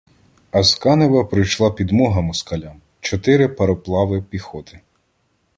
А з Канева прийшла підмога москалям — чотири пароплави піхоти.